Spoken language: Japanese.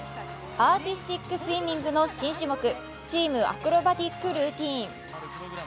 アーティスティックスイミングの新種目、チームアクロバティックルーティン。